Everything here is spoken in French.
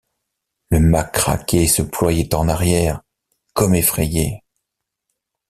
Le mât craquait et se ployait en arrière, comme effrayé.